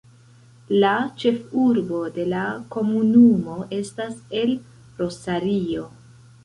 La ĉefurbo de la komunumo estas El Rosario.